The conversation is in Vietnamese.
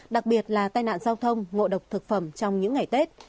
đặc biệt là tai nạn giao thông ngộ độc thực phẩm trong những ngày tết